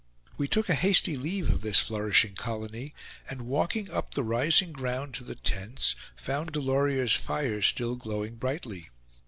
We took a hasty leave of this flourishing colony, and walking up the rising ground to the tents, found Delorier's fire still glowing brightly.